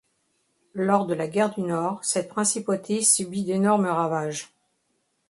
Lors de la Guerre du Nord cette principauté subit d'énormes ravages.